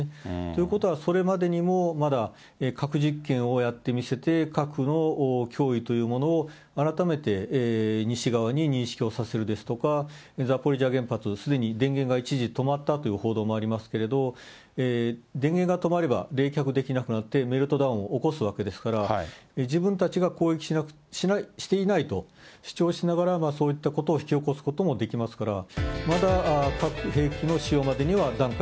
ということはそれまでにも、まだ核実験をやって見せて、核の脅威というものを改めて、西側に認識をさせるですとか、ザポリージャ原発、すでに電源が一時、止まったという報道もありますけれども、電源が止まれば冷却できなくなって、メルトダウンを起こすわけですから、自分たちが攻撃していないと主張しながら、そういったことを引き起こすこともできますから。